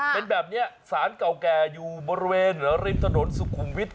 เป็นแบบนี้สารเก่าแก่อยู่บริเวณริมถนนสุขุมวิทย